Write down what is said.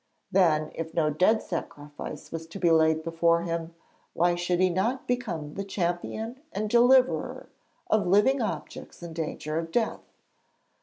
Then if no dead sacrifice was to be laid before him, why should he not become the champion and deliverer of living objects in danger of death?